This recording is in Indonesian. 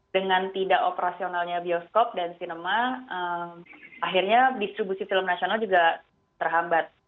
dengan tidak operasionalnya bioskop dan sinema akhirnya distribusi film nasional juga terhambat